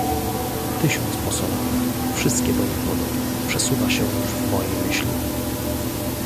"tysiąc posągów, wszystkie do niej podobne przesuwa się już w mojej myśli."